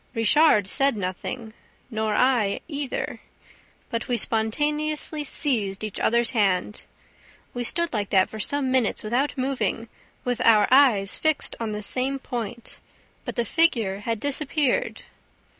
Richard said nothing, nor I either. But we spontaneously seized each other's hand. We stood like that for some minutes, without moving, with our eyes fixed on the same point; but the figure had disappeared.